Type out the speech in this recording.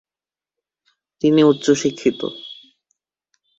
তিনি উচ্চ শিক্ষিত।।